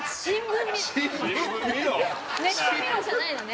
ネット見ろじゃないのね。